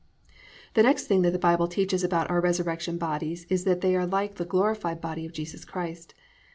"+ 2. The next thing that the Bible teaches about our resurrection bodies is that they are like the glorified body of Jesus Christ.